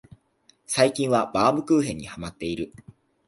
最近はバウムクーヘンにハマってる